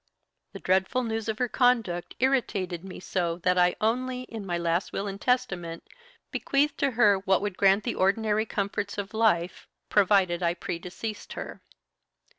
"The dreadful news of her conduct irritated me so that I only, in my last will and testament, bequeathed to her what would grant the ordinary comforts of life, provided I predeceased her.